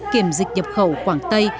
kiểm dịch nhập khẩu quảng tây